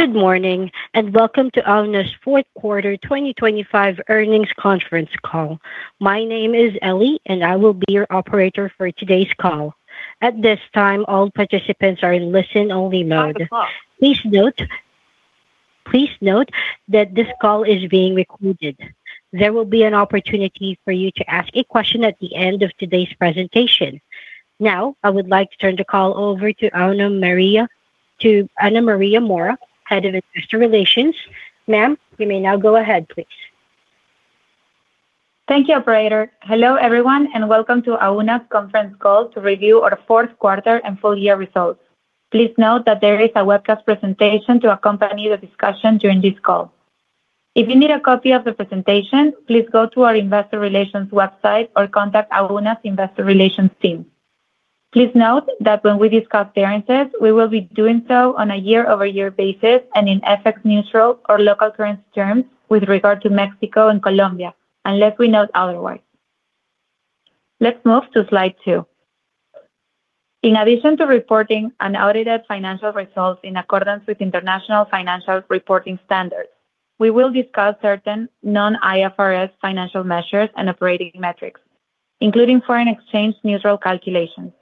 Good morning, and welcome to Auna's fourth quarter 2025 earnings conference call. My name is Ellie, and I will be your operator for today's call. At this time, all participants are in listen-only mode. Please note that this call is being recorded. There will be an opportunity for you to ask a question at the end of today's presentation. Now, I would like to turn the call over to Ana María Mora, Head of Investor Relations. Ma'am, you may now go ahead, please. Thank you, operator. Hello, everyone, and welcome to Auna's conference call to review our fourth quarter and full year results. Please note that there is a webcast presentation to accompany the discussion during this call. If you need a copy of the presentation, please go to our investor relations website or contact Auna's investor relations team. Please note that when we discuss variances, we will be doing so on a year-over-year basis and in FX neutral or local currency terms with regard to Mexico and Colombia, unless we note otherwise. Let's move to slide two. In addition to reporting unaudited financial results in accordance with International Financial Reporting Standards, we will discuss certain non-IFRS financial measures and operating metrics, including foreign exchange neutral calculations.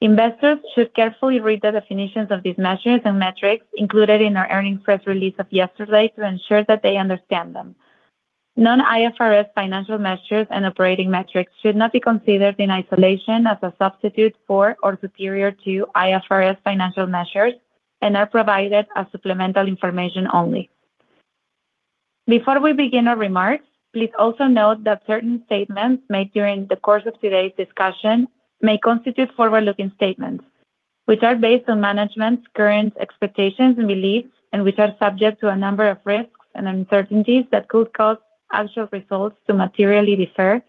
Investors should carefully read the definitions of these measures and metrics included in our earnings press release of yesterday to ensure that they understand them. Non-IFRS financial measures and operating metrics should not be considered in isolation as a substitute for or superior to IFRS financial measures and are provided as supplemental information only. Before we begin our remarks, please also note that certain statements made during the course of today's discussion may constitute forward-looking statements, which are based on management's current expectations and beliefs and which are subject to a number of risks and uncertainties that could cause actual results to materially differ,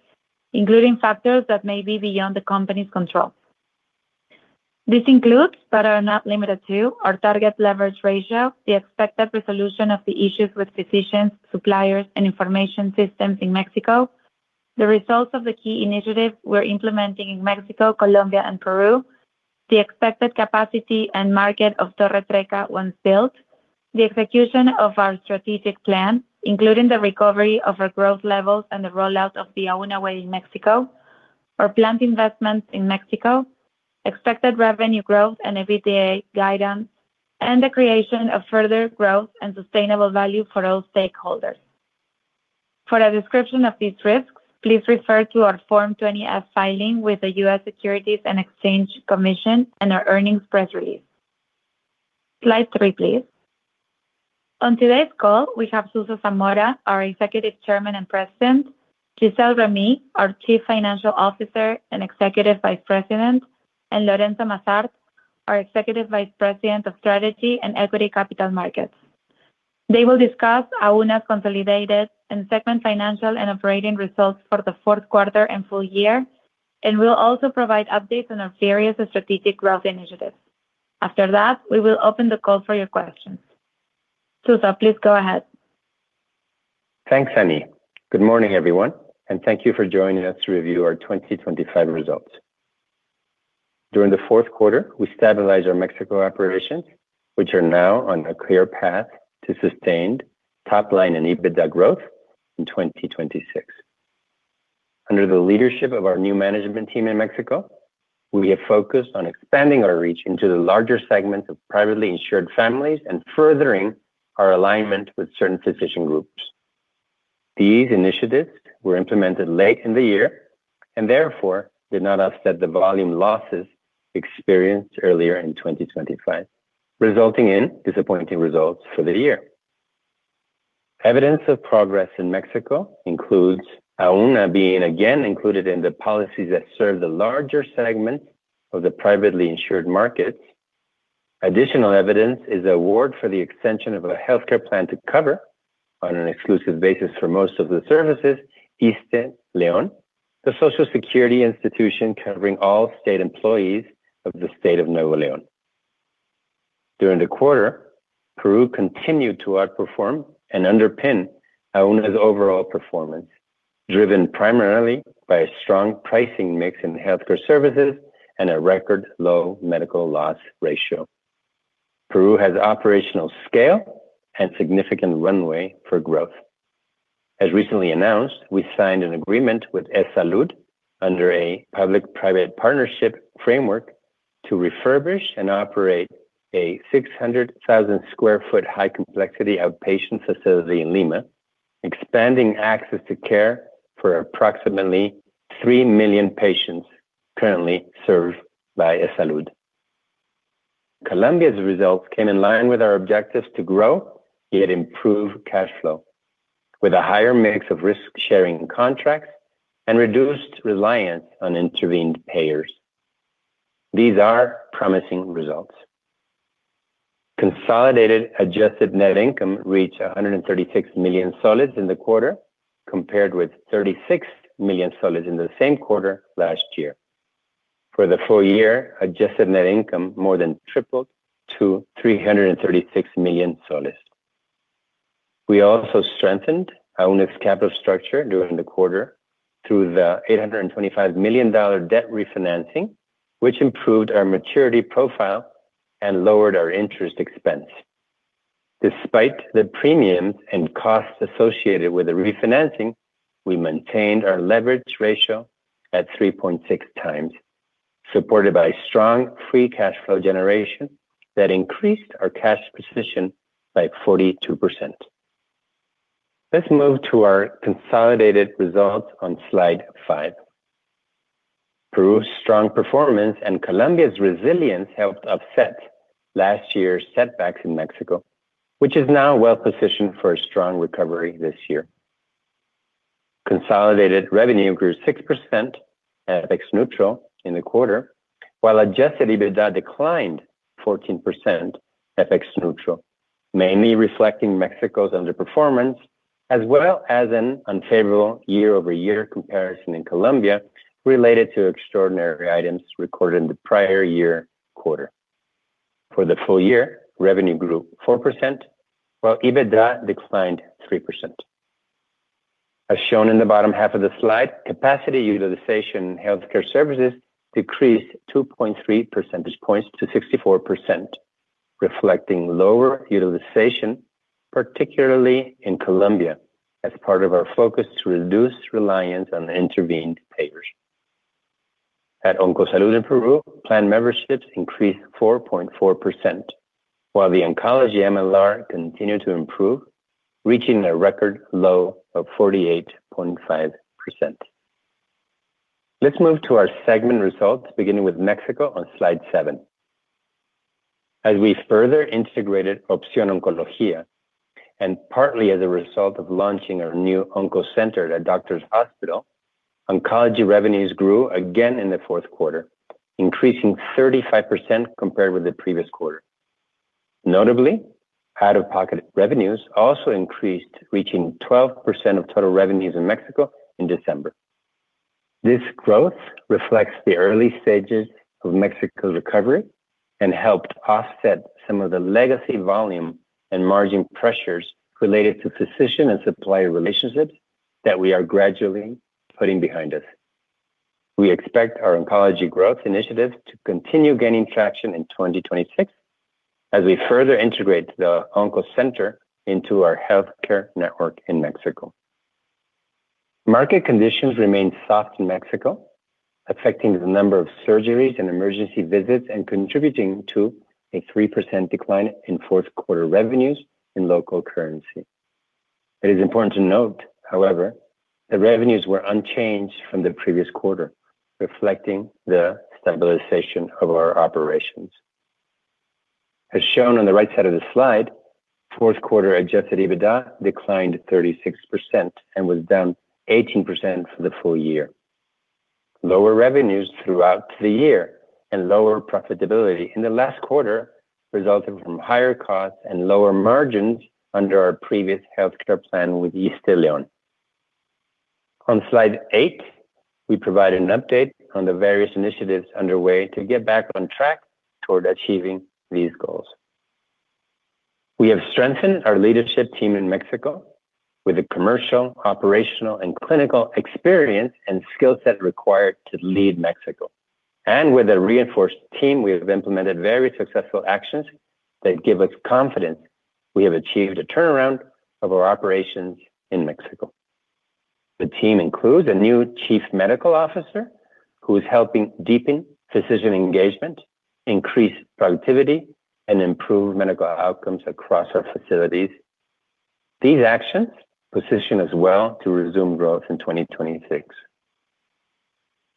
including factors that may be beyond the company's control. This includes, but are not limited to, our target leverage ratio, the expected resolution of the issues with physicians, suppliers, and information systems in Mexico, the results of the key initiatives we're implementing in Mexico, Colombia, and Peru, the expected capacity and market of Torre Trecca once built, the execution of our strategic plan, including the recovery of our growth levels and the rollout of the AunaWay in Mexico, our planned investments in Mexico, expected revenue growth and EBITDA guidance, and the creation of further growth and sustainable value for all stakeholders. For a description of these risks, please refer to our Form 20-F filing with the U.S. Securities and Exchange Commission and our earnings press release. Slide three, please. On today's call, we have Jesús Zamora, our Executive Chairman and President, Gisele Remy, our Chief Financial Officer and Executive Vice President, and Lorenzo Massart, our Executive Vice President of Strategy and Equity Capital Markets. They will discuss Auna's consolidated and segment financial and operating results for the fourth quarter and full year and will also provide updates on our various strategic growth initiatives. After that, we will open the call for your questions. Jesús, please go ahead. Thanks, Annie. Good morning, everyone, and thank you for joining us to review our 2025 results. During the fourth quarter, we stabilized our Mexico operations, which are now on a clear path to sustained top line and EBITDA growth in 2026. Under the leadership of our new management team in Mexico, we have focused on expanding our reach into the larger segments of privately insured families and furthering our alignment with certain physician groups. These initiatives were implemented late in the year and therefore did not offset the volume losses experienced earlier in 2025, resulting in disappointing results for the year. Evidence of progress in Mexico includes Auna being again included in the policies that serve the larger segment of the privately insured markets. Additional evidence is the award for the extension of a healthcare plan to cover, on an exclusive basis for most of the services, ISSSTELEON, the social security institution covering all state employees of the state of Nuevo León. During the quarter, Peru continued to outperform and underpin Auna's overall performance, driven primarily by a strong pricing mix in healthcare services and a record low medical loss ratio. Peru has operational scale and significant runway for growth. As recently announced, we signed an agreement with EsSalud under a public-private partnership framework to refurbish and operate a 600,000 sq ft high complexity outpatient facility in Lima, expanding access to care for approximately 3 million patients currently served by EsSalud. Colombia's results came in line with our objectives to grow, yet improve cash flow, with a higher mix of risk-sharing contracts and reduced reliance on intervened payers. These are promising results. Consolidated adjusted net income reached PEN 136 million in the quarter, compared with PEN 36 million in the same quarter last year. For the full year, adjusted net income more than tripled to PEN 336 million. We also strengthened our net capital structure during the quarter through the $825 million debt refinancing, which improved our maturity profile and lowered our interest expense. Despite the premiums and costs associated with the refinancing, we maintained our leverage ratio at 3.6x, supported by strong free cash flow generation that increased our cash position by 42%. Let's move to our consolidated results on slide five. Peru's strong performance and Colombia's resilience helped offset last year's setbacks in Mexico, which is now well-positioned for a strong recovery this year. Consolidated revenue grew 6% at FX neutral in the quarter, while adjusted EBITDA declined 14% FX neutral, mainly reflecting Mexico's underperformance as well as an unfavorable year-over-year comparison in Colombia related to extraordinary items recorded in the prior year quarter. For the full year, revenue grew 4%, while EBITDA declined 3%. As shown in the bottom half of the slide, capacity utilization in healthcare services decreased 2.3 percentage points to 64%, reflecting lower utilization, particularly in Colombia, as part of our focus to reduce reliance on intervened payers. At Oncosalud in Peru, plan memberships increased 4.4%, while the oncology MLR continued to improve, reaching a record low of 48.5%. Let's move to our segment results, beginning with Mexico on slide seven. As we further integrated Opción Oncología, and partly as a result of launching our new onco center at Doctors Hospital, oncology revenues grew again in the fourth quarter, increasing 35% compared with the previous quarter. Notably, out-of-pocket revenues also increased, reaching 12% of total revenues in Mexico in December. This growth reflects the early stages of Mexico's recovery and helped offset some of the legacy volume and margin pressures related to physician and supplier relationships that we are gradually putting behind us. We expect our oncology growth initiatives to continue gaining traction in 2026 as we further integrate the onco center into our healthcare network in Mexico. Market conditions remain soft in Mexico, affecting the number of surgeries and emergency visits and contributing to a 3% decline in fourth quarter revenues in local currency. It is important to note, however, that revenues were unchanged from the previous quarter, reflecting the stabilization of our operations. As shown on the right side of the slide, fourth quarter adjusted EBITDA declined 36% and was down 18% for the full year. Lower revenues throughout the year and lower profitability in the last quarter resulted from higher costs and lower margins under our previous healthcare plan with ISSSTELEON. On slide eight, we provide an update on the various initiatives underway to get back on track toward achieving these goals. We have strengthened our leadership team in Mexico with the commercial, operational, and clinical experience and skill set required to lead Mexico. With a reinforced team, we have implemented very successful actions that give us confidence we have achieved a turnaround of our operations in Mexico. The team includes a new chief medical officer who is helping deepen physician engagement, increase productivity, and improve medical outcomes across our facilities. These actions position us well to resume growth in 2026.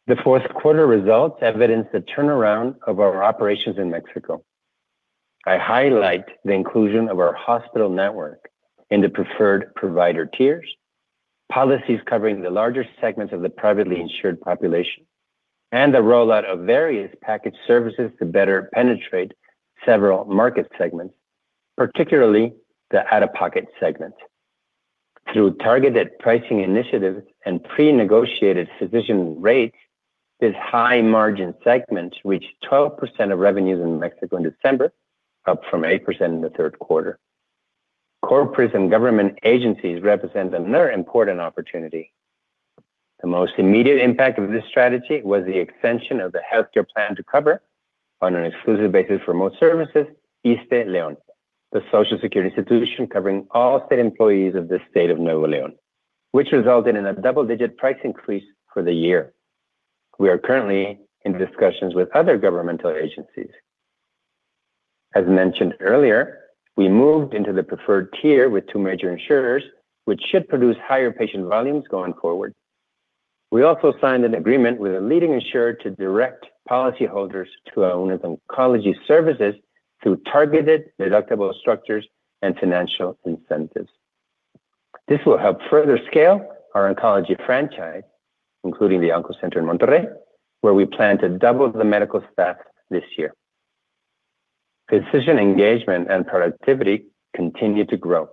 The fourth quarter results evidence the turnaround of our operations in Mexico. I highlight the inclusion of our hospital network in the preferred provider tiers, policies covering the larger segments of the privately insured population, and the rollout of various packaged services to better penetrate several market segments, particularly the out-of-pocket segment. Through targeted pricing initiatives and pre-negotiated physician rates, this high margin segment reached 12% of revenues in Mexico in December, up from 8% in the third quarter. Corporations and government agencies represent another important opportunity. The most immediate impact of this strategy was the extension of the healthcare plan to cover on an exclusive basis for most services, ISSSTELEON, the social security institution covering all state employees of the state of Nuevo León, which resulted in a double-digit price increase for the year. We are currently in discussions with other governmental agencies. As mentioned earlier, we moved into the preferred tier with two major insurers, which should produce higher patient volumes going forward. We also signed an agreement with a leading insurer to direct policyholders to our own oncology services through targeted deductible structures and financial incentives. This will help further scale our oncology franchise, including the oncology center in Monterrey, where we plan to double the medical staff this year. Physician engagement and productivity continue to grow.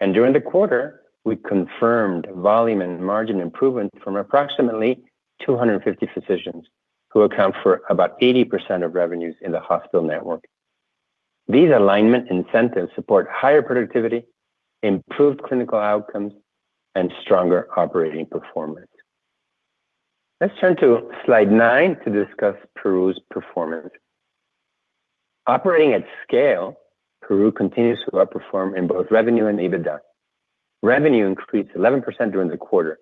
During the quarter, we confirmed volume and margin improvement from approximately 250 physicians who account for about 80% of revenues in the hospital network. These alignment incentives support higher productivity, improved clinical outcomes, and stronger operating performance. Let's turn to slide nine to discuss Peru's performance. Operating at scale, Peru continues to outperform in both revenue and EBITDA. Revenue increased 11% during the quarter,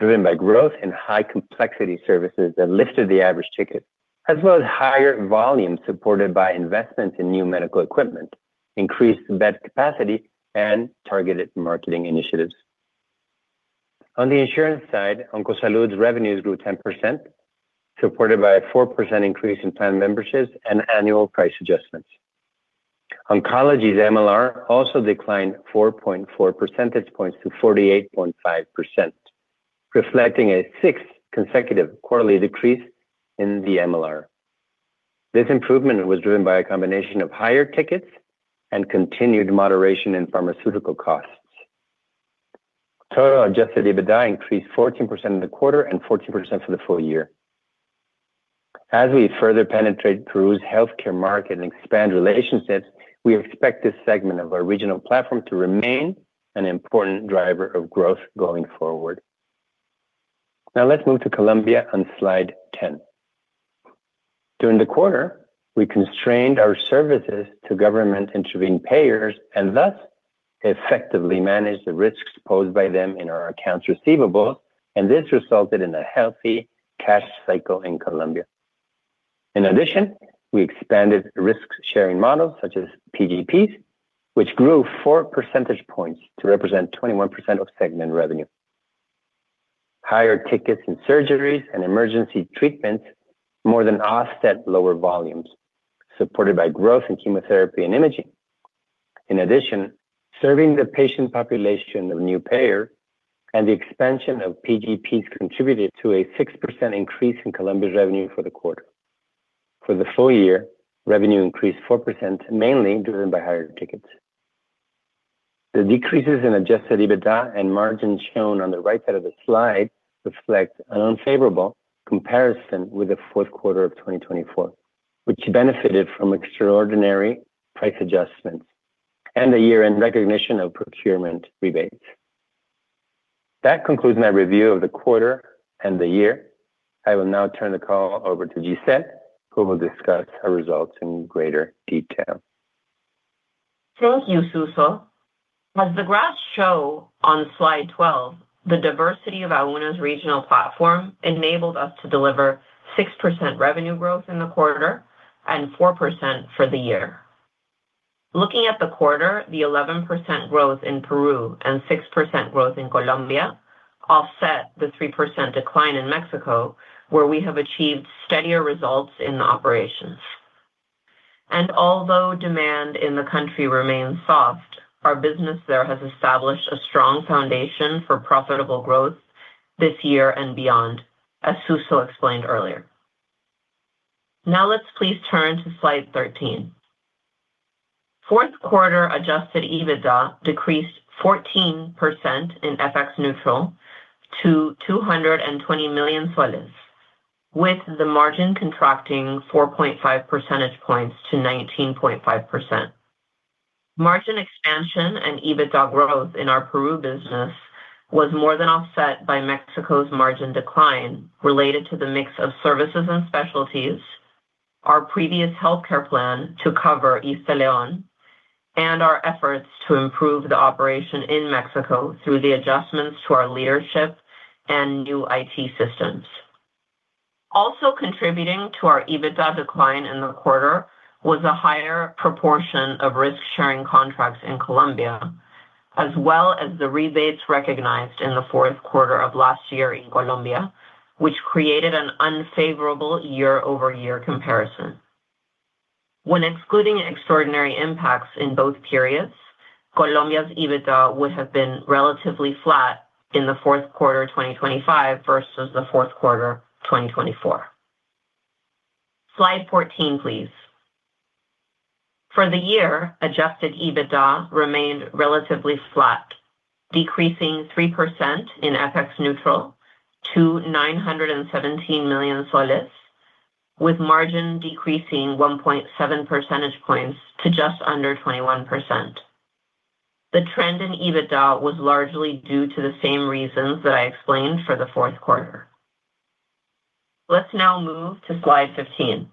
driven by growth in high complexity services that lifted the average ticket, as well as higher volumes supported by investments in new medical equipment, increased bed capacity, and targeted marketing initiatives. On the insurance side, Oncosalud's revenues grew 10%, supported by a 4% increase in plan memberships and annual price adjustments. Oncology's MLR also declined 4.4 percentage points to 48.5%, reflecting a sixth consecutive quarterly decrease in the MLR. This improvement was driven by a combination of higher tickets and continued moderation in pharmaceutical costs. Total adjusted EBITDA increased 14% in the quarter and 14% for the full year. As we further penetrate Peru's healthcare market and expand relationships, we expect this segment of our regional platform to remain an important driver of growth going forward. Now let's move to Colombia on slide 10. During the quarter, we constrained our services to government-intervened payers and thus effectively managed the risks posed by them in our accounts receivables, and this resulted in a healthy cash cycle in Colombia. In addition, we expanded risk-sharing models such as PGPs, which grew 4 percentage points to represent 21% of segment revenue. Higher tickets in surgeries and emergency treatments more than offset lower volumes, supported by growth in chemotherapy and imaging. In addition, serving the patient population of new payer and the expansion of PGPs contributed to a 6% increase in Colombia's revenue for the quarter. For the full year, revenue increased 4%, mainly driven by higher tickets. The decreases in adjusted EBITDA and margins shown on the right side of the slide reflect an unfavorable comparison with the fourth quarter of 2024, which benefited from extraordinary price adjustments and a year-end recognition of procurement rebates. That concludes my review of the quarter and the year. I will now turn the call over to Gisele, who will discuss our results in greater detail. Thank you, Suso. As the graphs show on slide 12, the diversity of our Auna's regional platform enabled us to deliver 6% revenue growth in the quarter and 4% for the year. Looking at the quarter, the 11% growth in Peru and 6% growth in Colombia offset the 3% decline in Mexico, where we have achieved steadier results in operations. Although demand in the country remains soft, our business there has established a strong foundation for profitable growth this year and beyond, as Suso explained earlier. Now let's please turn to slide 13. Fourth quarter adjusted EBITDA decreased 14% in FX neutral to PEN 220 million, with the margin contracting 4.5 percentage points to 19.5%. Margin expansion and EBITDA growth in our Peru business was more than offset by Mexico's margin decline related to the mix of services and specialties, our previous healthcare plan to cover ISSSTE León, and our efforts to improve the operation in Mexico through the adjustments to our leadership and new IT systems. Also contributing to our EBITDA decline in the quarter was a higher proportion of risk-sharing contracts in Colombia, as well as the rebates recognized in the fourth quarter of last year in Colombia, which created an unfavorable year-over-year comparison. When excluding extraordinary impacts in both periods, Colombia's EBITDA would have been relatively flat in the fourth quarter of 2025 versus the fourth quarter of 2024. Slide 14, please. For the year, adjusted EBITDA remained relatively flat, decreasing 3% in FX neutral to PEN 917 million, with margin decreasing 1.7 percentage points to just under 21%. The trend in EBITDA was largely due to the same reasons that I explained for the fourth quarter. Let's now move to slide 15.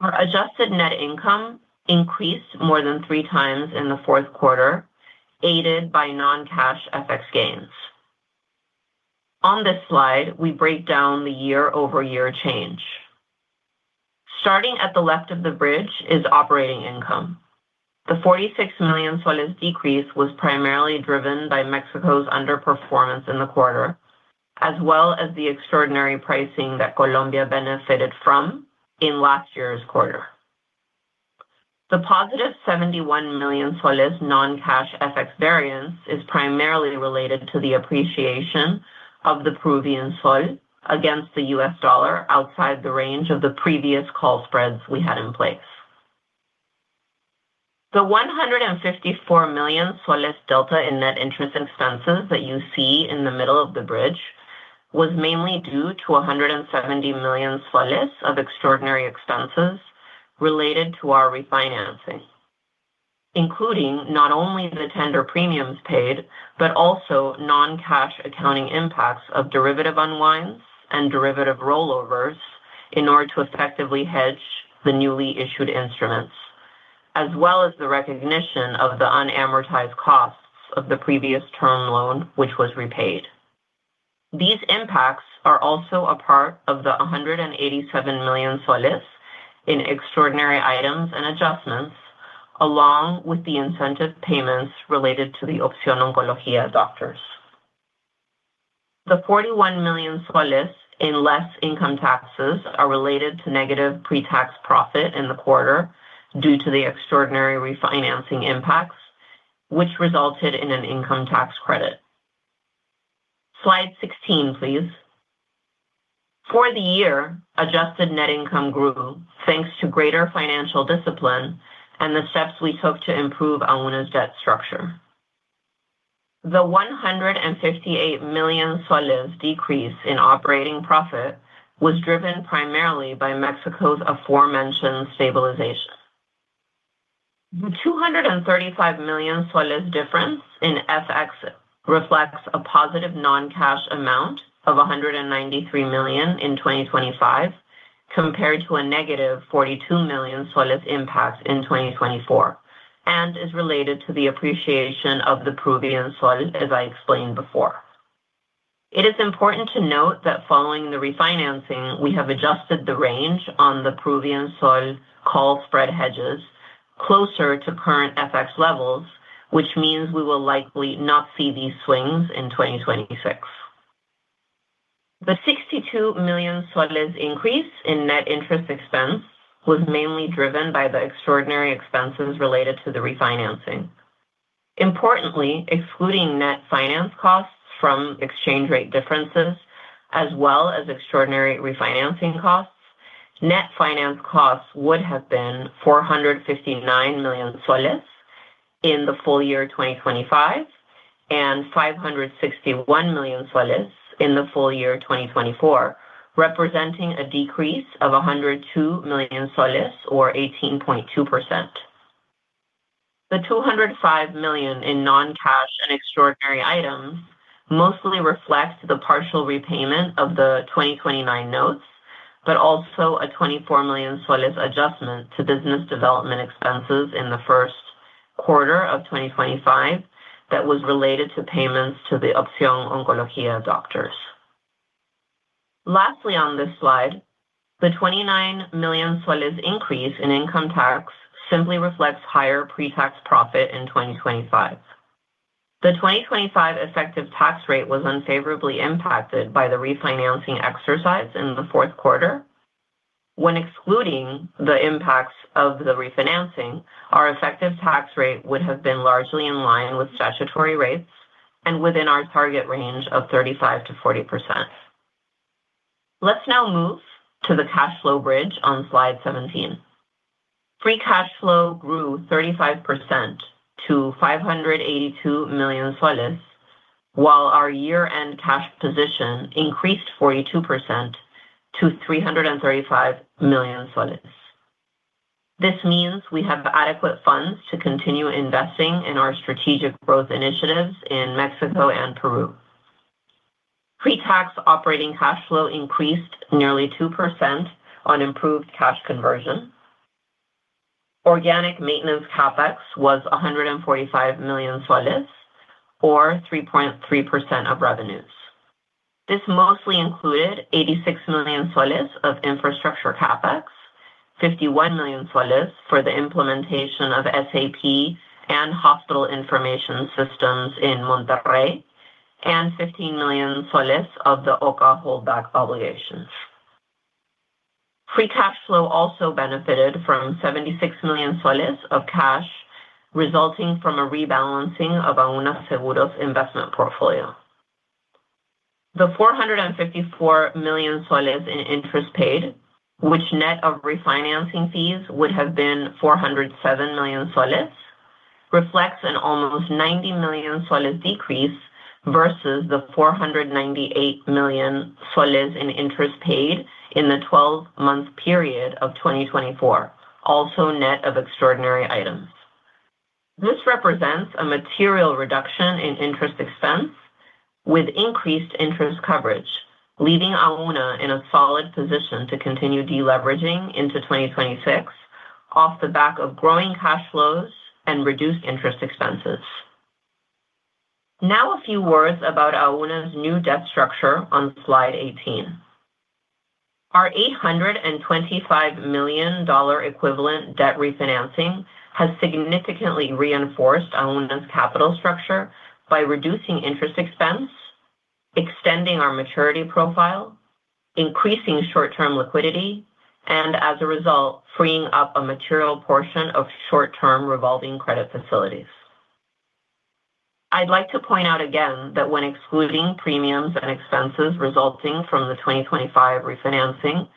Our adjusted net income increased more than 3x in the fourth quarter, aided by non-cash FX gains. On this slide, we break down the year-over-year change. Starting at the left of the bridge is operating income. The PEN 46 million decrease was primarily driven by Mexico's underperformance in the quarter, as well as the extraordinary pricing that Colombia benefited from in last year's quarter. The positive PEN 71 million non-cash FX variance is primarily related to the appreciation of the Peruvian sol against the U.S. dollar outside the range of the previous call spreads we had in place. The 154 million soles delta in net interest expenses that you see in the middle of the bridge was mainly due to PEN 170 million of extraordinary expenses related to our refinancing, including not only the tender premiums paid, but also non-cash accounting impacts of derivative unwinds and derivative rollovers in order to effectively hedge the newly issued instruments, as well as the recognition of the unamortized costs of the previous term loan, which was repaid. These impacts are also a part of the PEN 187 million in extraordinary items and adjustments, along with the incentive payments related to the Opción Oncología doctors. The PEN 41 million in less income taxes are related to negative pre-tax profit in the quarter due to the extraordinary refinancing impacts, which resulted in an income tax credit. Slide 16, please. For the year, adjusted net income grew thanks to greater financial discipline and the steps we took to improve Auna's debt structure. The PEN 158 million decrease in operating profit was driven primarily by Mexico's aforementioned stabilization. The PEN 235 million difference in FX reflects a positive non-cash amount of PEN 193 million in 2025 compared to a -PEN 42 million soles impact in 2024, and is related to the appreciation of the Peruvian sol, as I explained before. It is important to note that following the refinancing, we have adjusted the range on the Peruvian sol call spread hedges closer to current FX levels, which means we will likely not see these swings in 2026. The PEN 62 million increase in net interest expense was mainly driven by the extraordinary expenses related to the refinancing. Importantly, excluding net finance costs from exchange rate differences as well as extraordinary refinancing costs, net finance costs would have been PEN 459 million in the full year 2025 and PEN 561 million in the full year 2024, representing a decrease of PEN 102 million or 18.2%. The PEN 205 million in non-cash and extraordinary items mostly reflect the partial repayment of the 2029 notes, but also a PEN 24 million adjustment to business development expenses in the first quarter of 2025 that was related to payments to the Opción Oncología doctors. Lastly, on this slide, the PEN 29 million increase in income tax simply reflects higher pre-tax profit in 2025. The 2025 effective tax rate was unfavorably impacted by the refinancing exercise in the fourth quarter. When excluding the impacts of the refinancing, our effective tax rate would have been largely in line with statutory rates and within our target range of 35%-40%. Let's now move to the cash flow bridge on slide 17. Free cash flow grew 35% to PEN 582 million, while our year-end cash position increased 42% to PEN 335 million. This means we have adequate funds to continue investing in our strategic growth initiatives in Mexico and Peru. Pre-tax operating cash flow increased nearly 2% on improved cash conversion. Organic maintenance CapEx was PEN 145 million, or 3.3% of revenues. This mostly included PEN 86 million of infrastructure CapEx, PEN 51 million for the implementation of SAP and hospital information systems in Monterrey, and PEN 15 million of the OCA holdback obligations. Free cash flow also benefited from PEN 76 million of cash resulting from a rebalancing of Auna Seguros' investment portfolio. The PEN 454 million in interest paid, which net of refinancing fees would have been PEN 407 million, reflects an almost PEN 90 million decrease versus the PEN 498 million in interest paid in the 12-month period of 2024, also net of extraordinary items. This represents a material reduction in interest expense with increased interest coverage, leaving Auna in a solid position to continue deleveraging into 2026 off the back of growing cash flows and reduced interest expenses. Now a few words about Auna's new debt structure on slide 18. Our $825 million equivalent debt refinancing has significantly reinforced Auna's capital structure by reducing interest expense, extending our maturity profile, increasing short-term liquidity, and as a result, freeing up a material portion of short-term revolving credit facilities. I'd like to point out again that when excluding premiums and expenses resulting from the 2025 refinancing,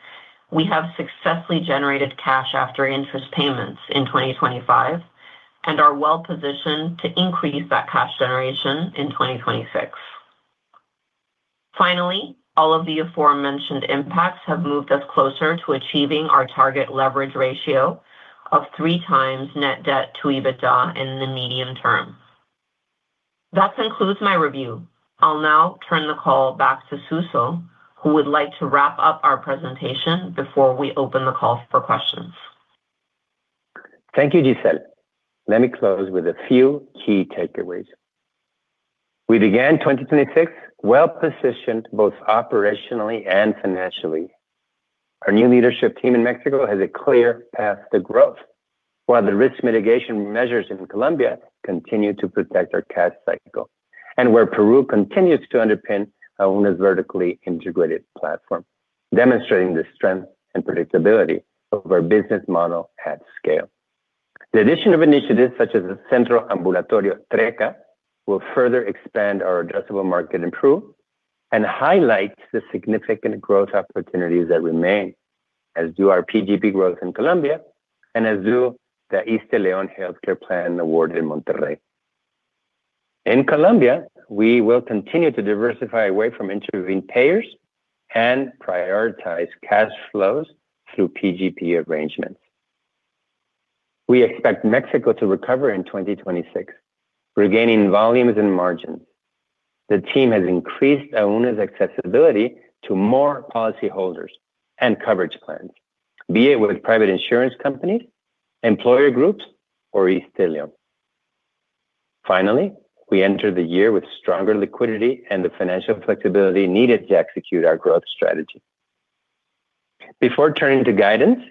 we have successfully generated cash after interest payments in 2025 and are well-positioned to increase that cash generation in 2026. Finally, all of the aforementioned impacts have moved us closer to achieving our target leverage ratio of 3x net debt to EBITDA in the medium term. That concludes my review. I'll now turn the call back to Suso, who would like to wrap up our presentation before we open the call for questions. Thank you, Gisele. Let me close with a few key takeaways. We began 2026 well-positioned both operationally and financially. Our new leadership team in Mexico has a clear path to growth. While the risk mitigation measures in Colombia continue to protect our cash cycle. Where Peru continues to underpin Auna's vertically integrated platform, demonstrating the strength and predictability of our business model at scale. The addition of initiatives such as the Centro Ambulatorio Trecca will further expand our addressable market in Peru and highlight the significant growth opportunities that remain, as do our PGP growth in Colombia, and as do the ISSSTE León healthcare plan award in Monterrey. In Colombia, we will continue to diversify away from intermediary payers and prioritize cash flows through PGP arrangements. We expect Mexico to recover in 2026, regaining volumes and margins. The team has increased Auna's accessibility to more policyholders and coverage plans, be it with private insurance companies, employer groups, or ISSSTE León. Finally, we enter the year with stronger liquidity and the financial flexibility needed to execute our growth strategy. Before turning to guidance,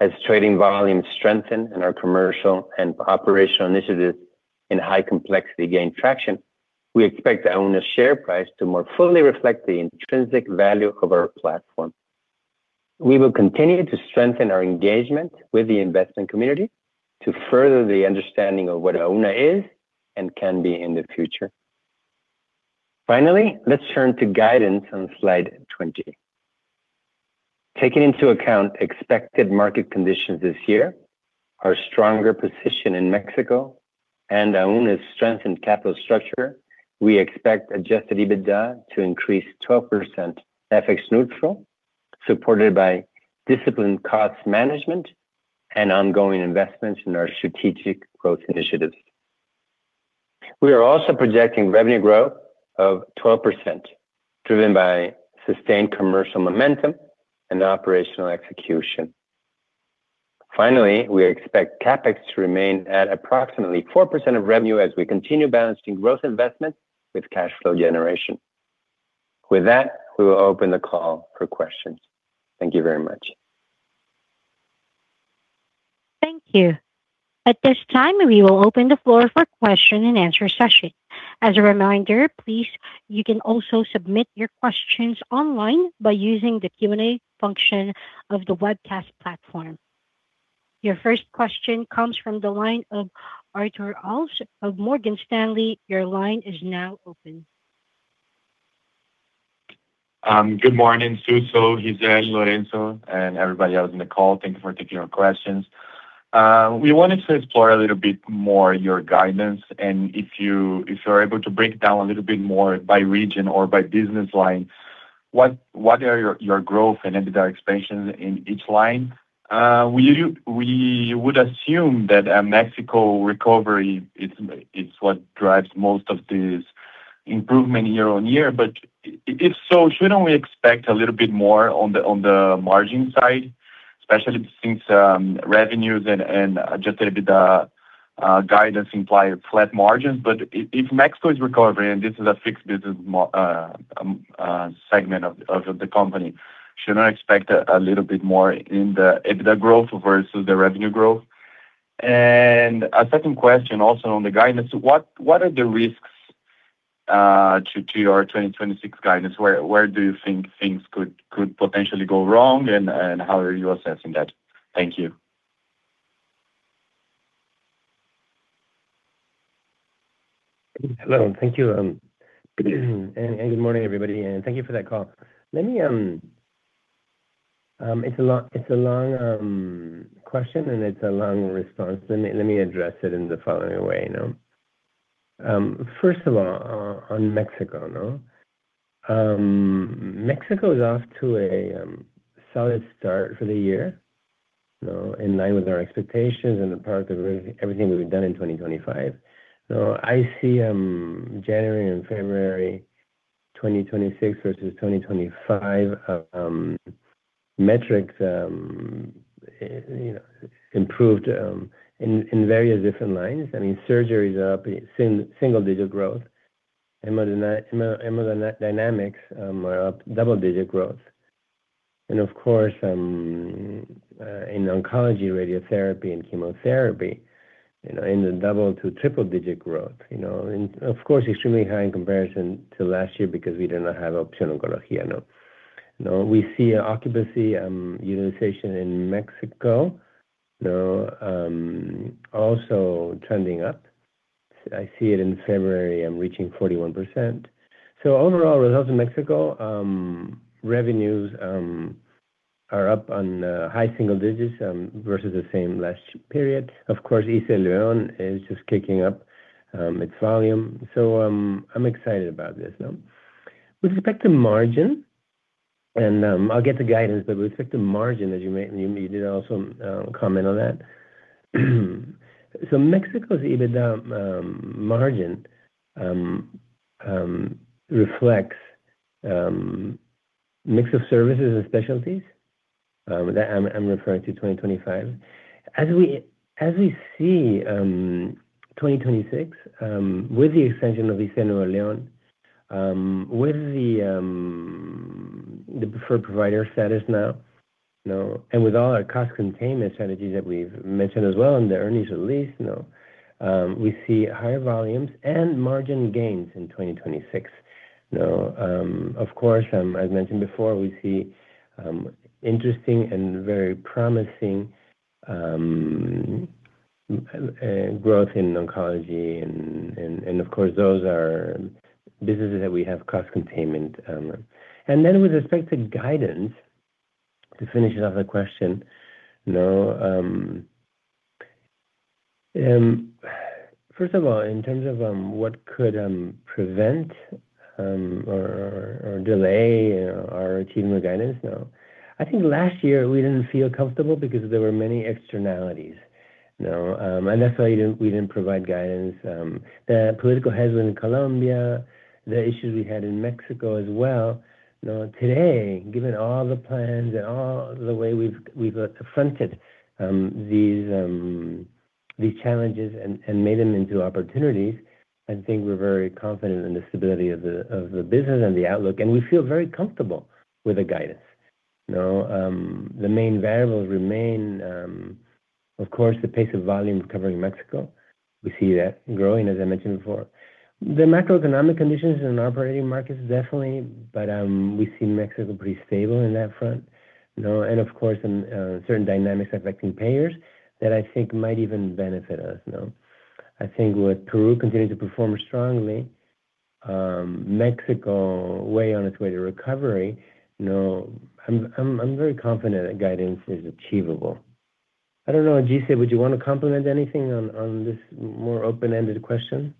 as trading volumes strengthen and our commercial and operational initiatives in high complexity gain traction, we expect Auna's share price to more fully reflect the intrinsic value of our platform. We will continue to strengthen our engagement with the investment community to further the understanding of what Auna is and can be in the future. Finally, let's turn to guidance on slide 20. Taking into account expected market conditions this year, our stronger position in Mexico, and Auna's strengthened capital structure, we expect adjusted EBITDA to increase 12% FX neutral, supported by disciplined cost management and ongoing investments in our strategic growth initiatives. We are also projecting revenue growth of 12%, driven by sustained commercial momentum and operational execution. Finally, we expect CapEx to remain at approximately 4% of revenue as we continue balancing growth investments with cash flow generation. With that, we will open the call for questions. Thank you very much. Thank you. At this time, we will open the floor for question and answer session. As a reminder, please, you can also submit your questions online by using the Q&A function of the webcast platform. Your first question comes from the line of Artur Alves of Morgan Stanley. Your line is now open. Good morning, Suso, Gisele, Lorenzo, and everybody else in the call. Thank you for taking our questions. We wanted to explore a little bit more your guidance, and if you're able to break down a little bit more by region or by business line, what are your growth and EBITDA expansion in each line? We would assume that a Mexico recovery is what drives most of this improvement year-over-year. If so, shouldn't we expect a little bit more on the margin side, especially since revenues and adjusted EBITDA guidance imply flat margins? If Mexico is recovering, and this is a fixed business segment of the company, shouldn't I expect a little bit more in the EBITDA growth versus the revenue growth? A second question also on the guidance. What are the risks to your 2026 guidance? Where do you think things could potentially go wrong and how are you assessing that? Thank you. Hello, and thank you. Good morning, everybody, and thank you for that call. Let me address it in the following way now. It's a long question, and it's a long response. First of all, on Mexico, no? Mexico is off to a solid start for the year, you know, in line with our expectations and the part of everything we've done in 2025. I see January and February 2026 versus 2025 metrics you know improved in various different lines. I mean, surgeries are up in single-digit growth. Hemodynamics are up double-digit growth. Of course in oncology, radiotherapy, and chemotherapy, you know, in the double- to triple-digit growth, you know. Of course, extremely high in comparison to last year because we did not have Opción Oncología, no? No, we see occupancy, utilization in Mexico, you know, also trending up. I see it in February reaching 41%. Overall results in Mexico, revenues, are up in high single digits versus the same last period. Of course, ISSSTE León is just kicking up its volume. I'm excited about this. Now with respect to margin, and I'll get the guidance, but with respect to margin, as you did also comment on that. Mexico's EBITDA margin reflects mix of services and specialties that I'm referring to 2025. As we see, 2026, with the expansion of ISSSTE Nuevo León, with the preferred provider status now, you know, and with all our cost containment strategies that we've mentioned as well in the earnings release, you know, we see higher volumes and margin gains in 2026. You know, of course, as mentioned before, we see interesting and very promising growth in oncology and, of course, those are businesses that we have cost containment. And then with respect to guidance, to finish another question. You know, first of all, in terms of what could prevent or delay our achievement guidance. You know, I think last year we didn't feel comfortable because there were many externalities, you know. That's why we didn't provide guidance. The political headwinds in Colombia, the issues we had in Mexico as well. You know, today, given all the plans and all the way we've fronted these challenges and made them into opportunities, I think we're very confident in the stability of the business and the outlook, and we feel very comfortable with the guidance. You know, the main variables remain, of course, the pace of volume recovery in Mexico. We see that growing, as I mentioned before. The macroeconomic conditions in operating markets definitely, but we see Mexico pretty stable in that front. You know, and of course certain dynamics affecting payers that I think might even benefit us, you know. I think with Peru continuing to perform strongly, Mexico way on its way to recovery, you know, I'm very confident that guidance is achievable. I don't know, Gisele, would you want to comment anything on this more open-ended question?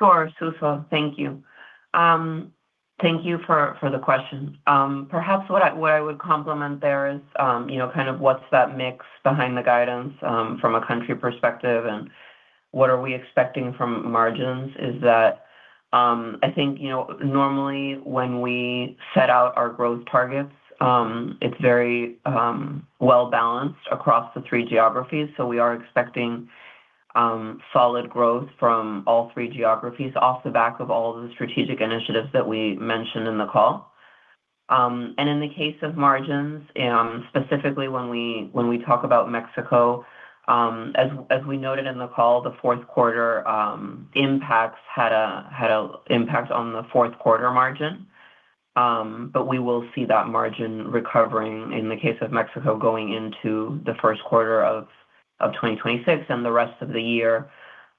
Sure, Suso. Thank you. Thank you for the question. Perhaps what I would complement there is, you know, kind of what's that mix behind the guidance, from a country perspective and what are we expecting from margins is that, I think, you know, normally when we set out our growth targets, it's very well-balanced across the three geographies. We are expecting solid growth from all three geographies off the back of all of the strategic initiatives that we mentioned in the call. In the case of margins, specifically when we talk about Mexico, as we noted in the call, the fourth quarter impacts had an impact on the fourth quarter margin. We will see that margin recovering in the case of Mexico going into the first quarter of 2026 and the rest of the year,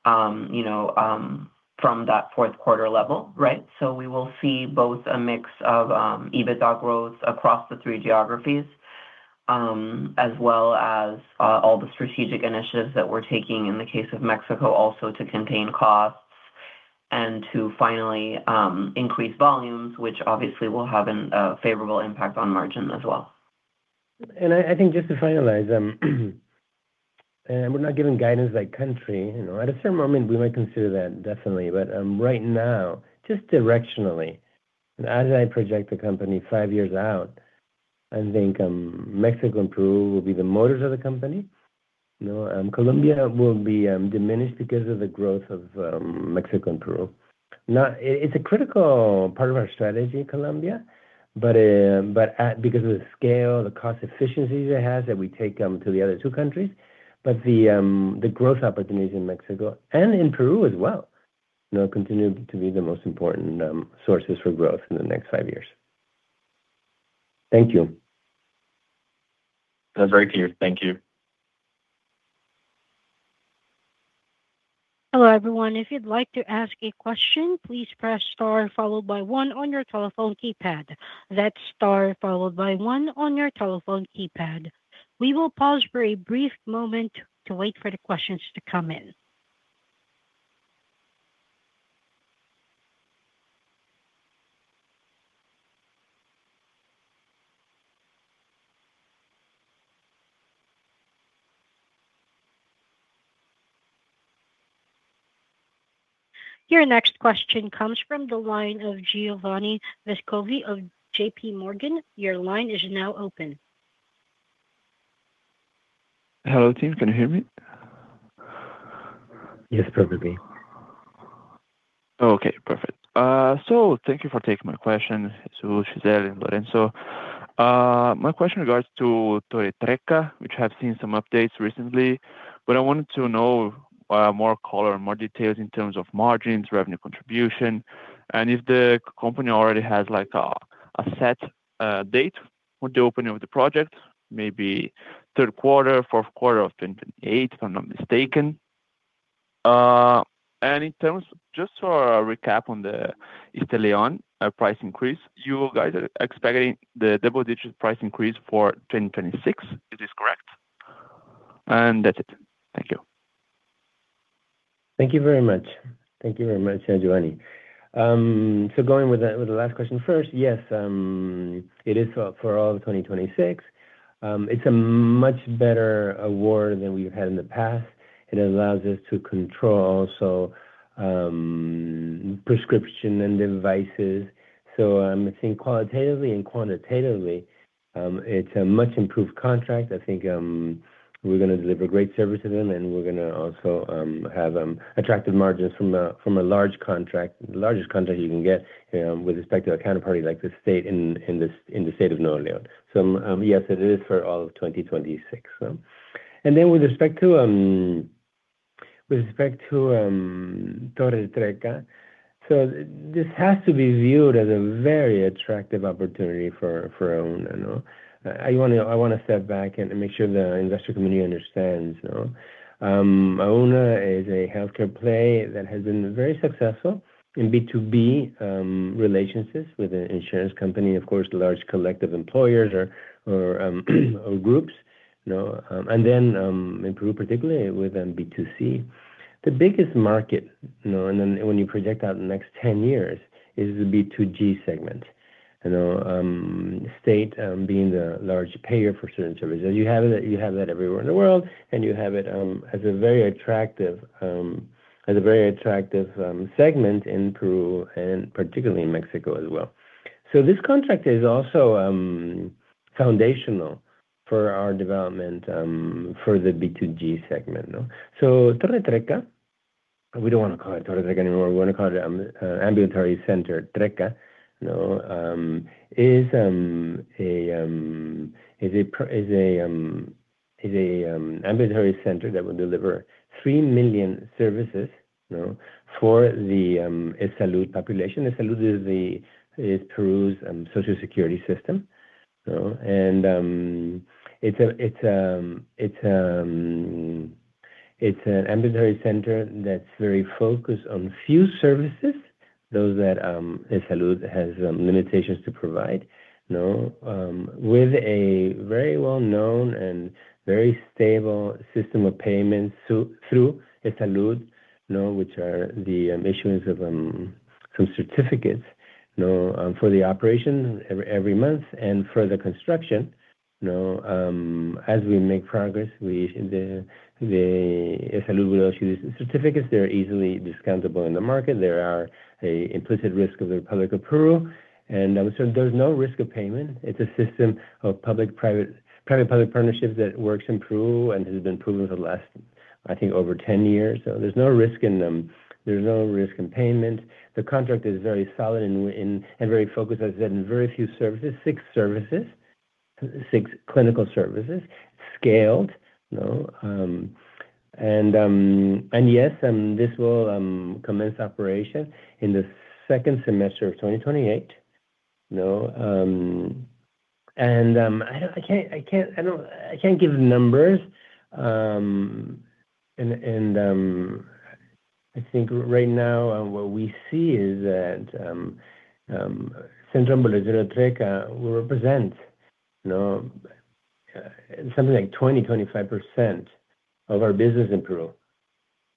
you know, from that fourth quarter level, right? We will see both a mix of EBITDA growth across the three geographies, as well as all the strategic initiatives that we're taking in the case of Mexico also to contain costs and to finally increase volumes, which obviously will have a favorable impact on margins as well. I think just to finalize, we're not giving guidance by country. You know, at a certain moment we might consider that definitely. But right now, just directionally, as I project the company five years out, I think Mexico and Peru will be the motors of the company. You know, Colombia will be diminished because of the growth of Mexico and Peru. Now it's a critical part of our strategy, Colombia, but because of the scale, the cost efficiencies it has that we take to the other two countries. But the growth opportunities in Mexico and in Peru as well, you know, continue to be the most important sources for growth in the next five years. Thank you. That's very clear. Thank you. Hello, everyone. If you'd like to ask a question, please press star followed by one on your telephone keypad. That's star followed by one on your telephone keypad. We will pause for a brief moment to wait for the questions to come in. Your next question comes from the line of Giovanni Vescovi of JP Morgan. Your line is now open. Hello, team. Can you hear me? Yes, perfectly. Okay, perfect. Thank you for taking my question. Suso, Gisele, and Lorenzo. My question regards to Torre Trecca, which I have seen some updates recently, but I wanted to know, more color and more details in terms of margins, revenue contribution, and if the company already has, like, a set date for the opening of the project, maybe third quarter, fourth quarter of 2028, if I'm not mistaken. And, just for a recap on the ISSSTE León, price increase, you guys are expecting the double-digit price increase for 2026. Is this correct? That's it. Thank you. Thank you very much. Thank you very much, Giovanni. Going with the last question first, yes, it is for all of 2026. It's a much better award than we've had in the past. It allows us to control also prescription and devices. I think qualitatively and quantitatively, it's a much improved contract. I think, we're gonna deliver great service to them, and we're gonna also have attractive margins from a large contract, the largest contract you can get, with respect to a counterparty like the state in the state of Nuevo León. Yes, it is for all of 2026. And then with respect to Torre Trecca. This has to be viewed as a very attractive opportunity for Auna, you know. I wanna step back and make sure the investor community understands, you know. Auna is a healthcare play that has been very successful in B2B relationships with the insurance company, of course, large collective employers or groups, you know. In Peru, particularly with B2C. The biggest market, you know, when you project out the next 10 years, is the B2G segment. State being the large payer for certain services. You have that everywhere in the world, and you have it as a very attractive segment in Peru and particularly in Mexico as well. This contract is also foundational for our development for the B2G segment. Torre Trecca, we don't wanna call it Torre Trecca anymore. We wanna call it Ambulatory Center Trecca, you know. It is an ambulatory center that will deliver 3 million services, you know, for the EsSalud population. EsSalud is Peru's social security system, you know. It is an ambulatory center that's very focused on few services, those that EsSalud has limitations to provide, you know. With a very well-known and very stable system of payments through EsSalud, you know, which are the issuance of some certificates, you know, for the operation every month and for the construction, you know. As we make progress, EsSalud will issue the certificates. They're easily discountable in the market. There's an implicit risk of the public approval. So there's no risk of payment. It's a system of public-private, private-public partnerships that works in Peru and has been proven for the last, I think, over 10 years. So there's no risk in payment. The contract is very solid and very focused, as I said, in very few services, six services, six clinical services, scaled, you know. This will commence operation in the second semester of 2028, you know. I can't give numbers. I think right now what we see is that Centro Médico Torre Trecca will represent, you know, something like 25% of our business in Peru,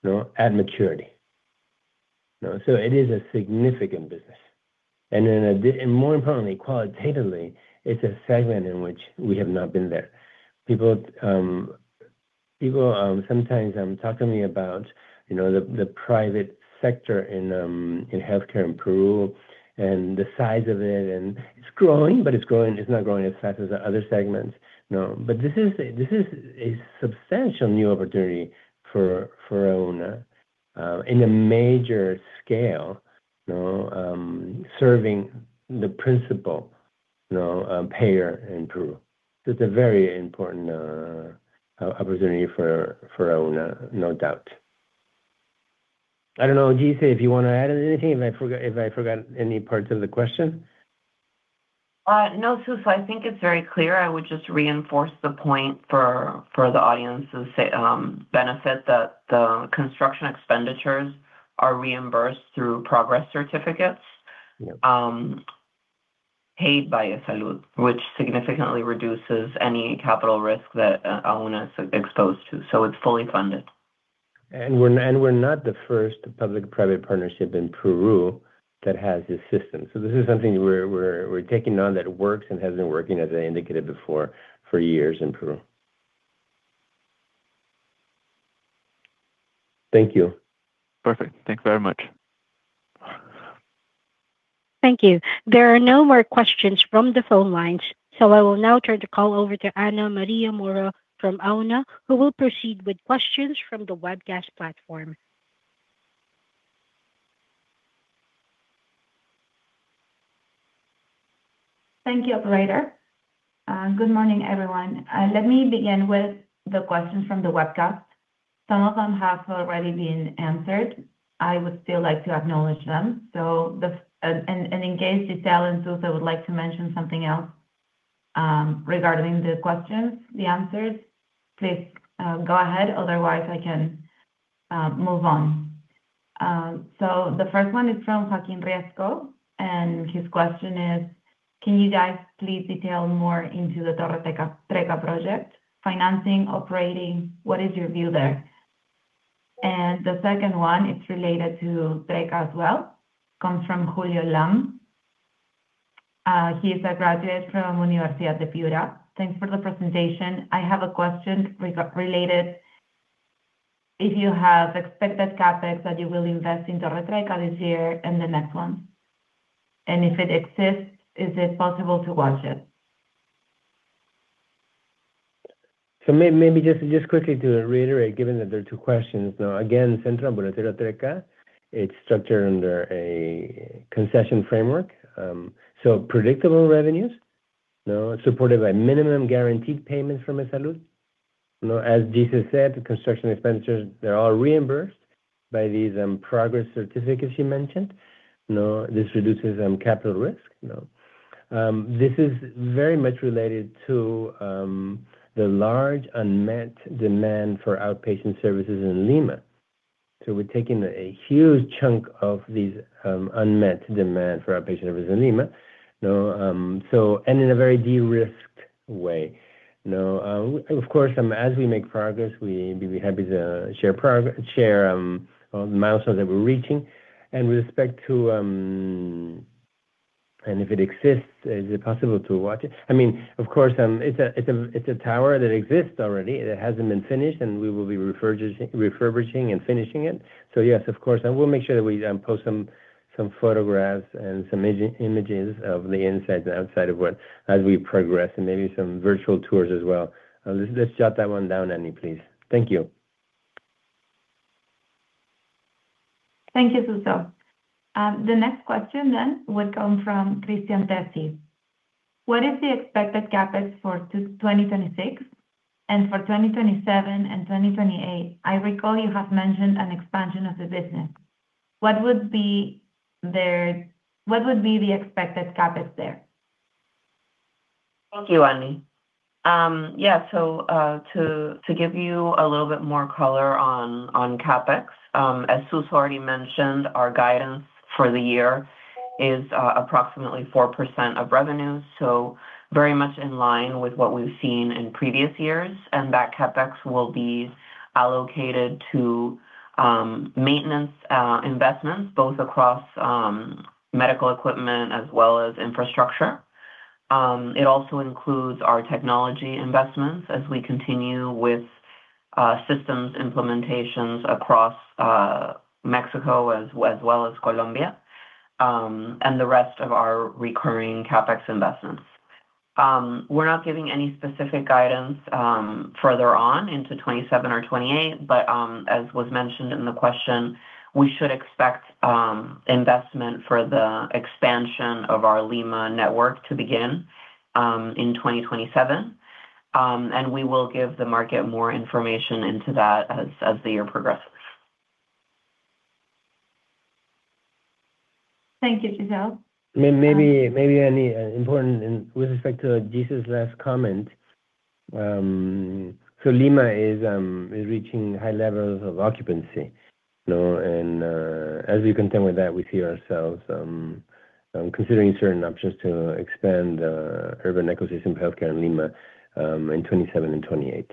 you know, at maturity. You know, it is a significant business. More importantly, qualitatively, it is a segment in which we have not been there. People sometimes talk to me about, you know, the private sector in healthcare in Peru and the size of it, and it is growing, but it is not growing as fast as the other segments, you know. This is a substantial new opportunity for Auna on a major scale, you know, serving the principal payer in Peru. It is a very important opportunity for Auna, no doubt. I don't know, Gisele, if you wanna add anything, if I forgot any parts of the question. No, Suso, I think it's very clear. I would just reinforce the point for the audience's benefit that the construction expenditures are reimbursed through progress certificates. Yeah. Paid by EsSalud, which significantly reduces any capital risk that Auna is exposed to. It's fully funded. We're not the first public-private partnership in Peru that has this system. This is something we're taking on that works and has been working, as I indicated before, for years in Peru. Thank you. Perfect. Thank you very much. Thank you. There are no more questions from the phone lines, so I will now turn the call over to Ana María Mora from Auna, who will proceed with questions from the webcast platform. Thank you, operator. Good morning, everyone. Let me begin with the questions from the webcast. Some of them have already been answered. I would still like to acknowledge them. In case Gisele and Suso would like to mention something else regarding the questions, the answers, please go ahead. Otherwise, I can move on. The first one is from Joaquín Riesco, and his question is: Can you guys please detail more into the Torre Trecca project, financing, operating? What is your view there? The second one is related to Trecca as well. Comes from Julio Lam. He is a graduate from Universidad de Piura. Thanks for the presentation. I have a question related if you have expected CapEx that you will invest in Torre Trecca this year and the next one. If it exists, is it possible to watch it? Maybe just quickly to reiterate, given that there are two questions. Now, again, Centro Ambulatorio Trecca, it's structured under a concession framework. Predictable revenues. You know, supported by minimum guaranteed payments from EsSalud. You know, as Gisele said, the construction expenditures, they're all reimbursed by these progress certificates she mentioned. You know, this reduces capital risk, you know. This is very much related to the large unmet demand for outpatient services in Lima. We're taking a huge chunk of these unmet demand for outpatient services in Lima, you know. In a very de-risked way, you know. Of course, as we make progress, we'd be happy to share milestones that we're reaching. With respect to. If it exists, is it possible to watch it? I mean, of course, it's a tower that exists already. It hasn't been finished, and we will be refurbishing and finishing it. Yes, of course. We'll make sure that we post some photographs and some images of the inside and outside of what as we progress, and maybe some virtual tours as well. Let's jot that one down, Annie, please. Thank you. Thank you, Suso. The next question would come from [Christian Tessy]. What is the expected CapEx for 2026 and for 2027 and 2028? I recall you have mentioned an expansion of the business. What would be the expected CapEx there? Thank you, Annie. To give you a little bit more color on CapEx, as Suso already mentioned, our guidance for the year is approximately 4% of revenue, very much in line with what we've seen in previous years. That CapEx will be allocated to maintenance investments, both across medical equipment as well as infrastructure. It also includes our technology investments as we continue with systems implementations across Mexico as well as Colombia, and the rest of our recurring CapEx investments. We're not giving any specific guidance further on into 2027 or 2028, but as was mentioned in the question, we should expect investment for the expansion of our Lima network to begin in 2027. We will give the market more information into that as the year progresses. Thank you, Gisele. Maybe, Annie, important point with respect to Gisele's last comment. So Lima is reaching high levels of occupancy, you know. As we continue with that, we see ourselves considering certain options to expand urban ecosystem healthcare in Lima in 2027 and 2028.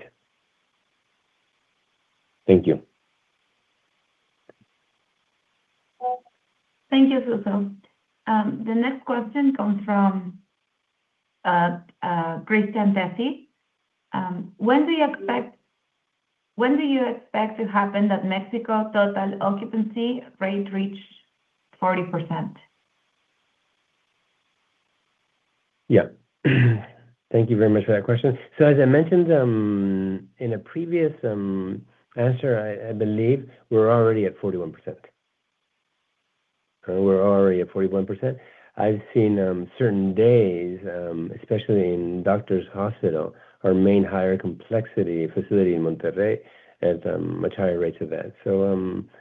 Thank you. Thank you, Suso. The next question comes from [Christian Tessy]. When do you expect to happen that Mexico total occupancy rate reach 40%? Yeah. Thank you very much for that question. As I mentioned, in a previous answer, I believe we're already at 41%. I've seen certain days, especially in Doctors Hospital, our main higher complexity facility in Monterrey, at much higher rates of that.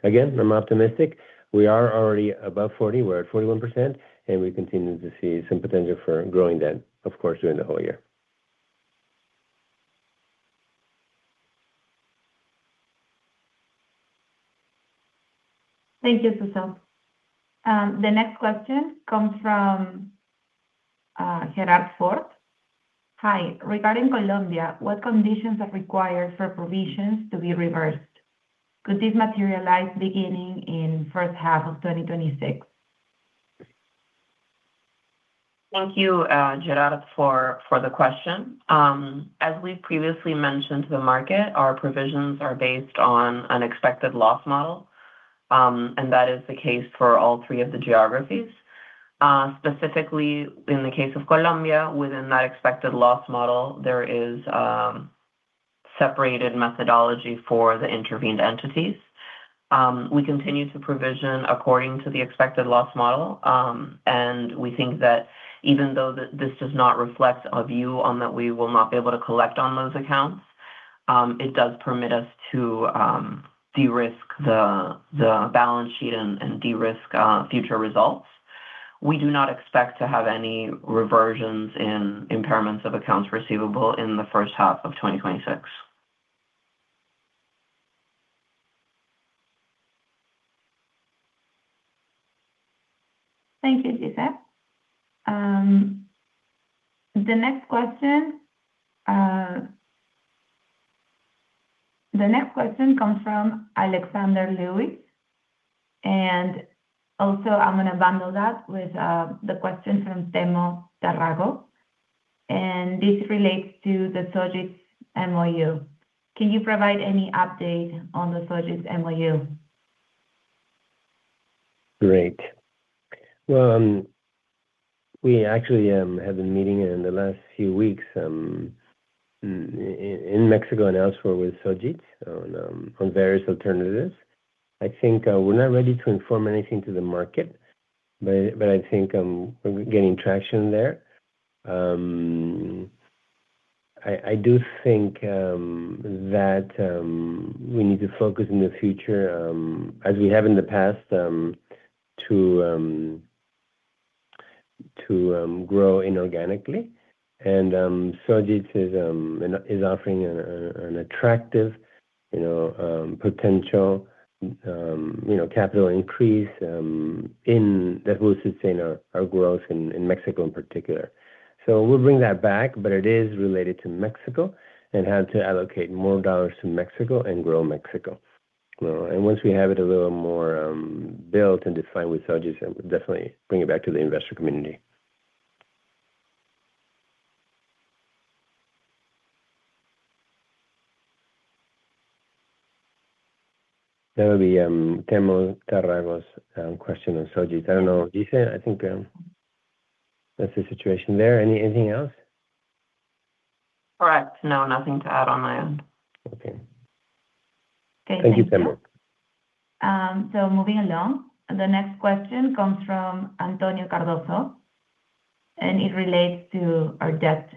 Again, I'm optimistic. We are already above 40%. We're at 41%, and we continue to see some potential for growing that, of course, during the whole year. Thank you, Suso. The next question comes from [Gerard Ford]. Hi. Regarding Colombia, what conditions are required for provisions to be reversed? Could this materialize beginning in first half of 2026? Thank you, Gerard, for the question. As we've previously mentioned to the market, our provisions are based on an expected loss model, and that is the case for all three of the geographies. Specifically in the case of Colombia, within that expected loss model, there is a separate methodology for the intervened entities. We continue to provision according to the expected loss model. We think that even though this does not reflect a view that we will not be able to collect on those accounts, it does permit us to de-risk the balance sheet and de-risk future results. We do not expect to have any reversions in impairments of accounts receivable in the first half of 2026. Thank you, Gisele. The next question comes from [Alexandre Loiseau]. Also I'm gonna bundle that with the question from [Demo Tarrago]. This relates to the Sojitz MOU. Can you provide any update on the Sojitz MOU? Great. Well, we actually had a meeting in the last few weeks in Mexico and elsewhere with Sojitz on various alternatives. I think we're not ready to inform anything to the market, but I think we're getting traction there. I do think that we need to focus in the future, as we have in the past, to grow inorganically. Sojitz is offering an attractive, you know, potential, you know, capital increase that will sustain our growth in Mexico in particular. We'll bring that back, but it is related to Mexico and how to allocate more dollars to Mexico and grow Mexico. Once we have it a little more built and defined with Sojitz, we'll definitely bring it back to the investor community. That would be [Demo Tarrago's] question on Sojitz. I don't know, Gise. I think that's the situation there. Anything else? Correct. No, nothing to add on my end. Okay. Okay. Thank you. Thank you, Demo. Moving along. The next question comes from Antonio Cardoso, and it relates to our debt.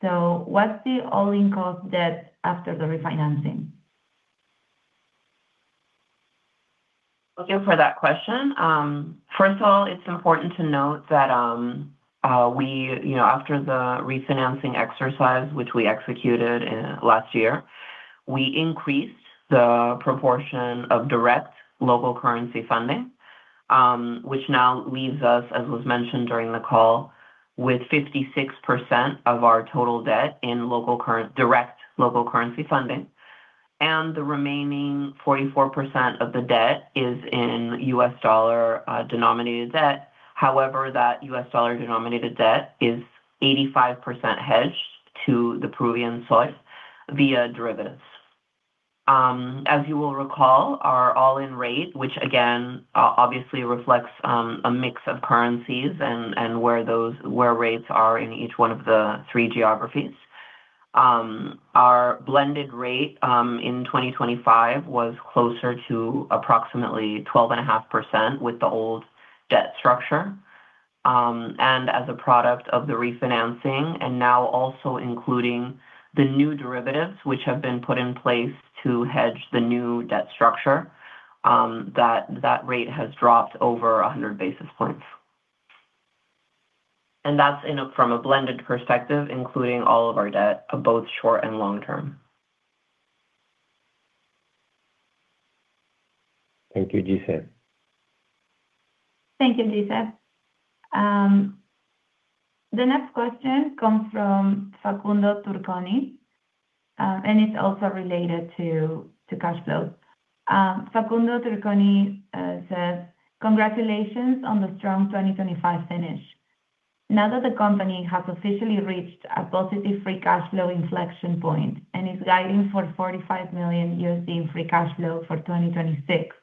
What's the all-in cost debt after the refinancing? Thank you for that question. First of all, it's important to note that, we, you know, after the refinancing exercise, which we executed in last year, we increased the proportion of direct local currency funding, which now leaves us, as was mentioned during the call, with 56% of our total debt in direct local currency funding. The remaining 44% of the debt is in U.S. dollar denominated debt. However, that U.S. dollar denominated debt is 85% hedged to the Peruvian sol via derivatives. As you will recall, our all-in rate, which again, obviously reflects, a mix of currencies and where those rates are in each one of the three geographies. Our blended rate in 2025 was closer to approximately 12.5% with the old debt structure. As a product of the refinancing, and now also including the new derivatives, which have been put in place to hedge the new debt structure, that rate has dropped over 100 basis points. That's from a blended perspective, including all of our debt, both short and long term. Thank you, Gise. Thank you, Gise. The next question comes from [Facundo Turconi], and it's also related to cash flow. [Facundo Turconi] says, "Congratulations on the strong 2025 finish. Now that the company has officially reached a positive free cash flow inflection point and is guiding for $45 million in free cash flow for 2026,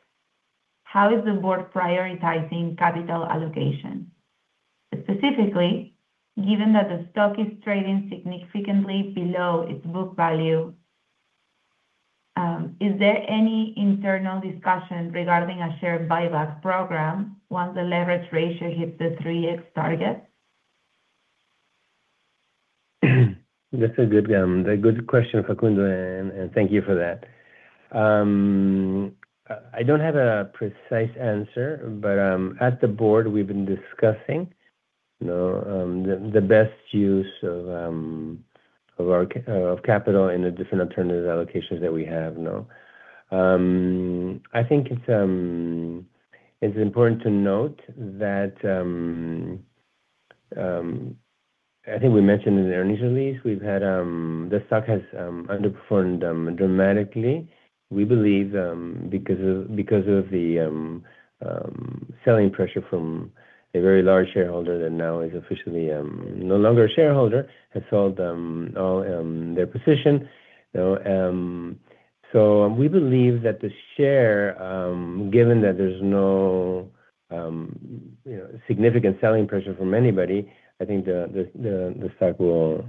how is the board prioritizing capital allocation? Specifically, given that the stock is trading significantly below its book value, is there any internal discussion regarding a share buyback program once the leverage ratio hits the 3x target? That's a good question, Facundo, and thank you for that. I don't have a precise answer, but at the board, we've been discussing, you know, the best use of our capital in the different alternative allocations that we have. I think it's important to note that I think we mentioned in the earnings release, we've had the stock has underperformed dramatically, we believe, because of the selling pressure from a very large shareholder that now is officially no longer a shareholder, has sold all their position. You know, we believe that the share, given that there's no, you know, significant selling pressure from anybody, I think the stock will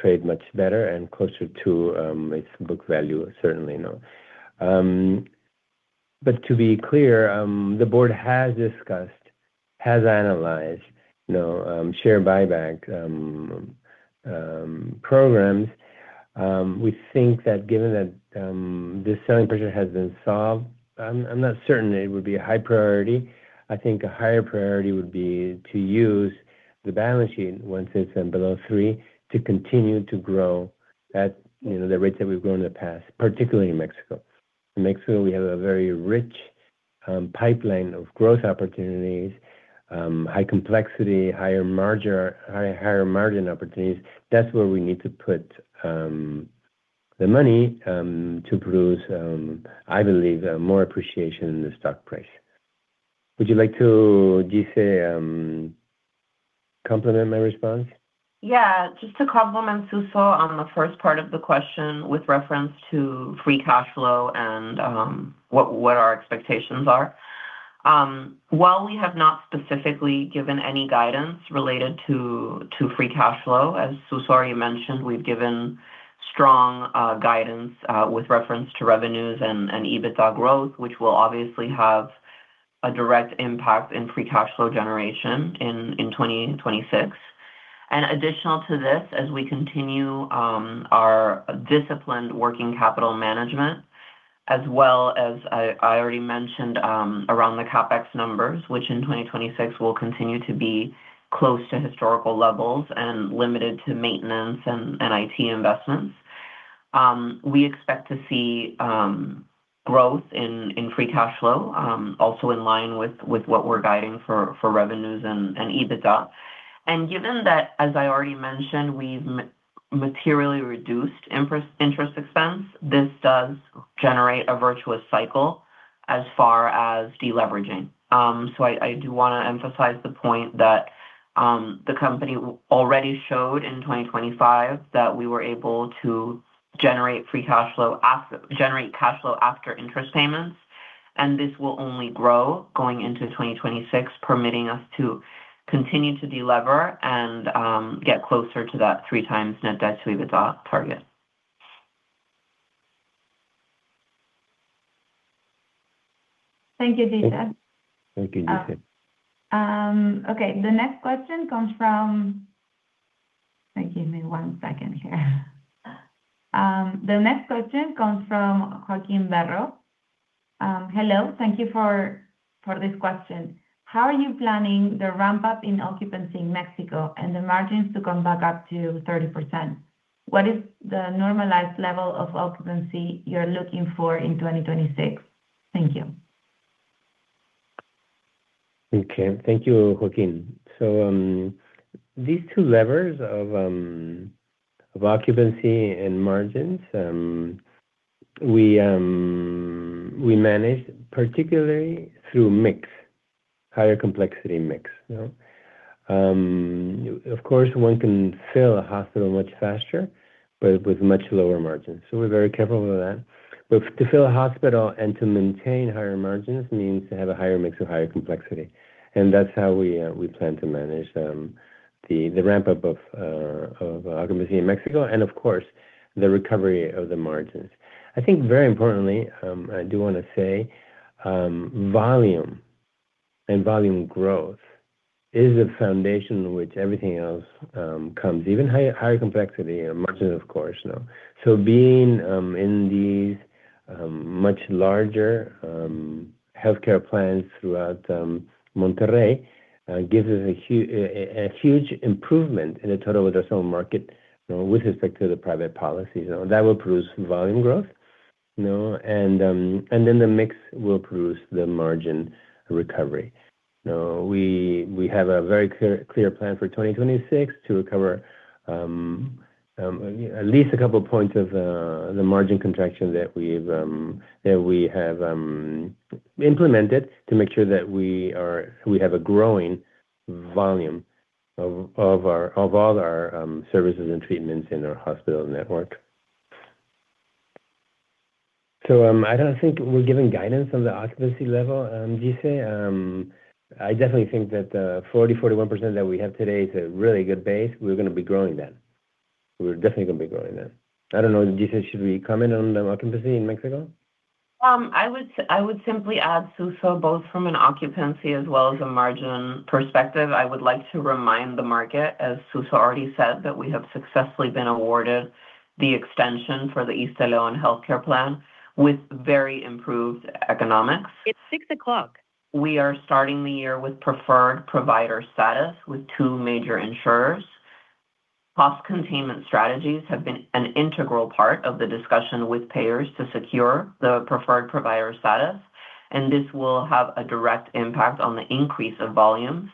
trade much better and closer to its book value, certainly, you know. To be clear, the board has discussed, has analyzed, you know, share buyback programs. We think that given that this selling pressure has been solved, I'm not certain it would be a high priority. I think a higher priority would be to use the balance sheet once it's below three to continue to grow at, you know, the rates that we've grown in the past, particularly in Mexico. In Mexico, we have a very rich pipeline of growth opportunities, high complexity, higher margin opportunities. That's where we need to put the money to produce, I believe, more appreciation in the stock price. Would you like to, Gise, complement my response? Yeah. Just to complement Suso on the first part of the question with reference to free cash flow and what our expectations are. While we have not specifically given any guidance related to free cash flow, as Suso already mentioned, we've given strong guidance with reference to revenues and EBITDA growth, which will obviously have a direct impact in free cash flow generation in 2026. Additional to this, as we continue our disciplined working capital management, as well as I already mentioned, around the CapEx numbers, which in 2026 will continue to be close to historical levels and limited to maintenance and IT investments. We expect to see growth in free cash flow also in line with what we're guiding for revenues and EBITDA. Given that, as I already mentioned, we've materially reduced interest expense, this does generate a virtuous cycle as far as deleveraging. I do wanna emphasize the point that the company already showed in 2025 that we were able to generate cash flow after interest payments, and this will only grow going into 2026, permitting us to continue to delever and get closer to that 3x net debt to EBITDA target. Thank you, Gise. Thank you, Gisele. Okay. The next question comes from Joaquin Berro. Hello. Thank you for this question. How are you planning the ramp-up in occupancy in Mexico and the margins to come back up to 30%? What is the normalized level of occupancy you're looking for in 2026? Thank you. Okay. Thank you, Joaquin. These two levers of occupancy and margins, we manage particularly through mix, higher complexity mix. You know? Of course, one can fill a hospital much faster, but with much lower margins. We're very careful with that. To fill a hospital and to maintain higher margins means to have a higher mix or higher complexity, and that's how we plan to manage the ramp-up of occupancy in Mexico and, of course, the recovery of the margins. I think very importantly, I do wanna say, volume and volume growth is a foundation in which everything else comes, even higher complexity and margins, of course. You know? Being in these much larger healthcare plans throughout Monterrey gives us a huge improvement in the total addressable market, you know, with respect to the private policies. You know? That will produce volume growth. You know? Then the mix will produce the margin recovery. We have a very clear plan for 2026 to recover at least a couple of points of the margin contraction that we've implemented to make sure that we have a growing volume of all our services and treatments in our hospital network. I don't think we're giving guidance on the occupancy level, Gise. I definitely think that 40%-41% that we have today is a really good base. We're gonna be growing that. We're definitely gonna be growing that. I don't know. Gisele, should we comment on the occupancy in Mexico? I would simply add, Suso, both from an occupancy as well as a margin perspective, I would like to remind the market, as Suso already said, that we have successfully been awarded the extension for the ISSSTELEON Healthcare Plan with very improved economics. It's 6:00. We are starting the year with preferred provider status with two major insurers. Cost containment strategies have been an integral part of the discussion with payers to secure the preferred provider status, and this will have a direct impact on the increase of volumes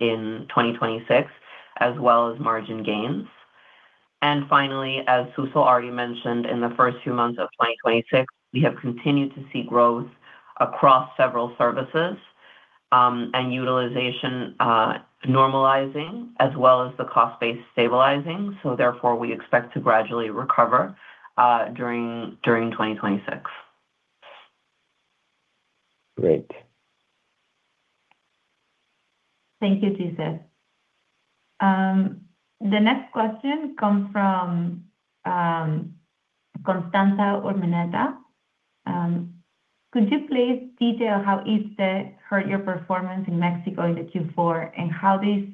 in 2026, as well as margin gains. Finally, as Suso already mentioned, in the first two months of 2026, we have continued to see growth across several services. Utilization normalizing as well as the cost base stabilizing, so therefore, we expect to gradually recover during 2026. Great. Thank you, Gise. The next question comes from Constanza Urmeneta. Could you please detail how ISSSTE hurt your performance in Mexico in the Q4, and how this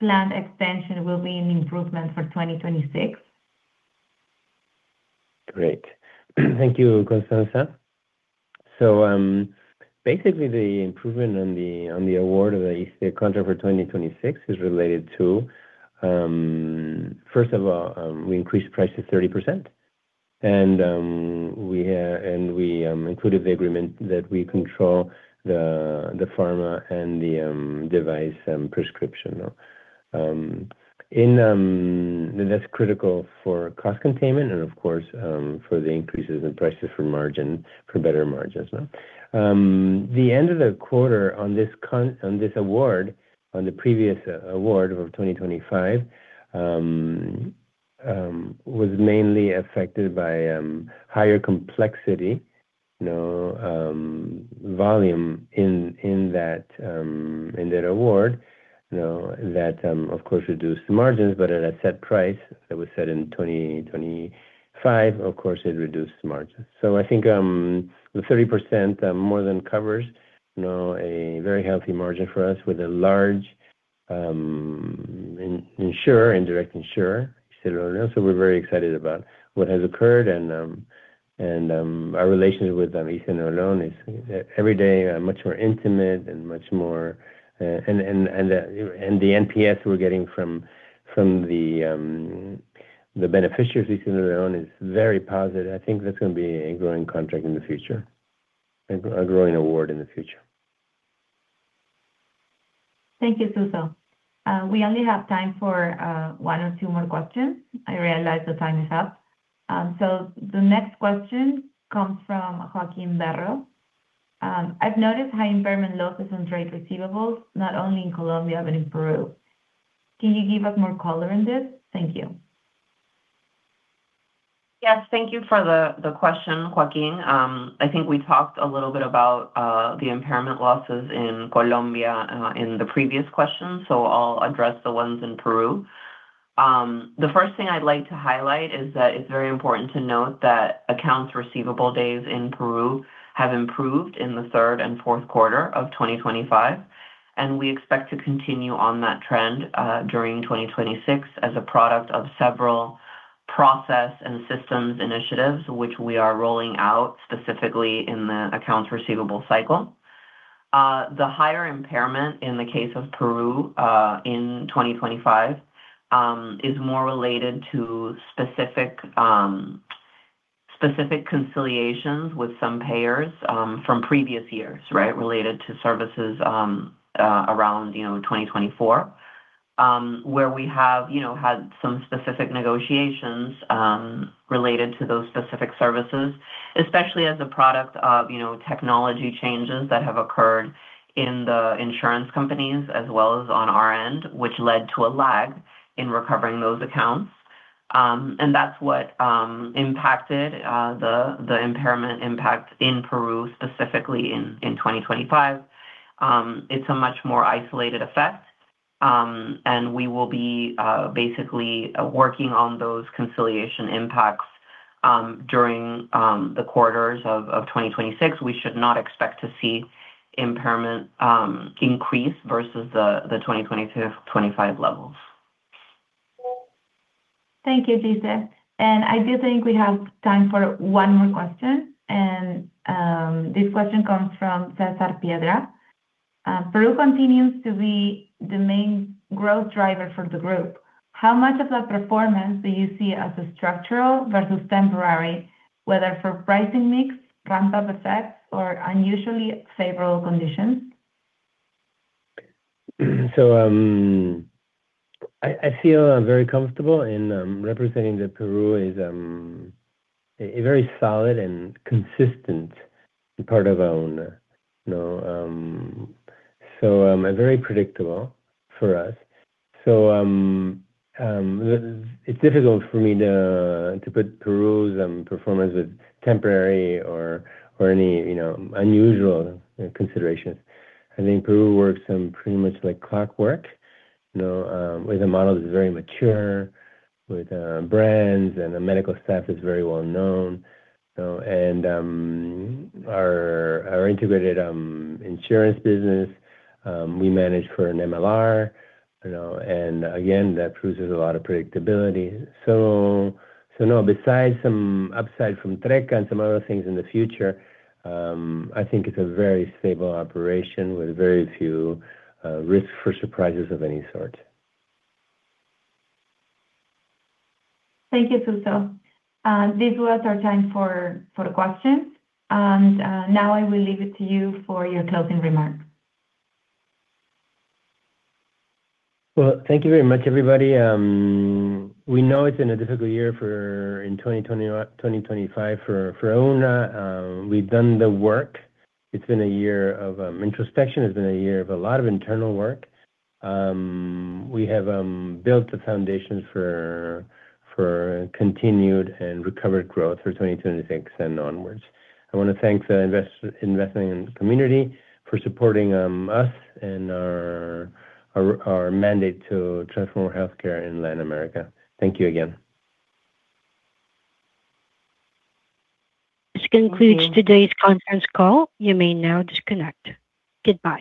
planned expansion will be an improvement for 2026? Great. Thank you, Constanza. Basically the improvement on the award of the ISSSTE contract for 2026 is related to, first of all, we increased prices 30%. We included the agreement that we control the pharma and the device and prescription. That's critical for cost containment and of course, for the increases in prices for margin, for better margins, no? The end of the quarter on this award, on the previous award of 2025, was mainly affected by higher complexity, you know, volume in that award, you know, that of course reduced the margins, but at a set price that was set in 2025. Of course, it reduced the margins. I think the 30% more than covers, you know, a very healthy margin for us with a large indirect insurer, you know. We're very excited about what has occurred and our relationship with ISSSTE Noroeste is every day much more intimate and much more and the NPS we're getting from the beneficiaries of ISSSTE Noroeste is very positive. I think that's gonna be a growing contract in the future, a growing award in the future. Thank you, Suso. We only have time for one or two more questions. I realize the time is up. The next question comes from Joaquin Berro. I've noticed high impairment losses on trade receivables, not only in Colombia but in Peru. Can you give us more color on this? Thank you. Yes. Thank you for the question, Joaquin. I think we talked a little bit about the impairment losses in Colombia in the previous question. I'll address the ones in Peru. The first thing I'd like to highlight is that it's very important to note that accounts receivable days in Peru have improved in the third and fourth quarter of 2025, and we expect to continue on that trend during 2026 as a product of several process and systems initiatives which we are rolling out specifically in the accounts receivable cycle. The higher impairment in the case of Peru in 2025 is more related to specific conciliations with some payers from previous years, right? Related to services, around, you know, 2024, where we have, you know, had some specific negotiations related to those specific services, especially as a product of, you know, technology changes that have occurred in the insurance companies as well as on our end, which led to a lag in recovering those accounts. That's what impacted the impairment impact in Peru, specifically in 2025. It's a much more isolated effect, and we will be basically working on those reconciliation impacts during the quarters of 2026. We should not expect to see impairment increase versus the 2020-2025 levels. Thank you, Gise. I do think we have time for one more question. This question comes from Cesar Piedra. Peru continues to be the main growth driver for the group. How much of that performance do you see as a structural versus temporary, whether for pricing mix, ramp-up effects or unusually favorable conditions? I feel very comfortable in representing that Peru is a very solid and consistent part of Auna, you know? And very predictable for us. It's difficult for me to put Peru's performance as temporary or any unusual considerations. I think Peru works pretty much like clockwork, you know. With the models very mature, with brands and the medical staff is very well known, you know. Our integrated insurance business we manage for an MLR, you know. And again, that produces a lot of predictability. No, besides some upside from Trecca and some other things in the future, I think it's a very stable operation with very few risk for surprises of any sort. Thank you, Suso. This was our time for the questions, and now I will leave it to you for your closing remarks. Well, thank you very much, everybody. We know it's been a difficult year in 2025 for Auna. We've done the work. It's been a year of introspection. It's been a year of a lot of internal work. We have built the foundations for continued and recovered growth for 2026 and onwards. I wanna thank the investing community for supporting us and our mandate to transform healthcare in Latin America. Thank you again. This concludes today's conference call. You may now disconnect. Goodbye.